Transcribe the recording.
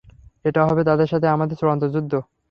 এটা হবে তাদের সাথে আমাদের চূড়ান্ত যুদ্ধ।